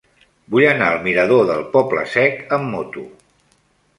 Vull anar al mirador del Poble Sec amb moto.